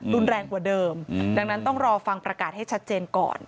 รุนแรงกว่าเดิมดังนั้นต้องรอฟังประกาศให้ชัดเจนก่อน